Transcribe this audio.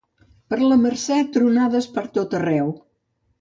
Per la Mercè, tronades pertot arreu.